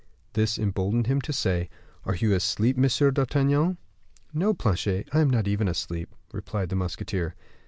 This emboldened him to say, "Are you asleep, Monsieur d'Artagnan?" "No, Planchet, I am not even asleep," replied the musketeer.